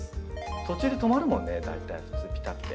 途中で止まるもんね大体普通ぴたって。